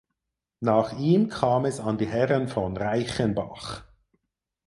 Nach ihm kam es an die Herren von Reichenbach.